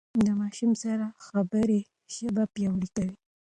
د ماشوم سره خبرې ژبه پياوړې کوي.